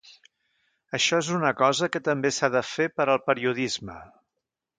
Això és una cosa que també s'ha de fer per al periodisme.